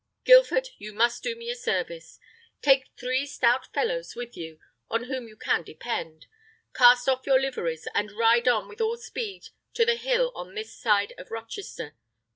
Guilford, you must do me a service. Take three stout fellows with you, on whom you can depend; cast off your liveries, and ride on with all speed to the hill on this side of Rochester.